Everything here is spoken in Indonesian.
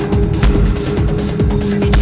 lu gak cacat kemana ya